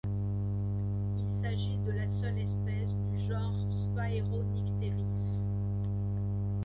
Il s'agit de la seule espèce du genre Sphaeronycteris.